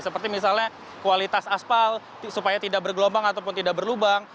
seperti misalnya kualitas aspal supaya tidak bergelombang ataupun tidak berlubang